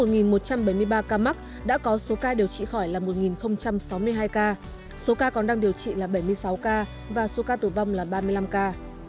trong một một trăm bảy mươi ba ca mắc đã có số ca điều trị khỏi là một sáu mươi hai ca số ca còn đang điều trị là bảy mươi sáu ca và số ca tử vong là ba mươi năm ca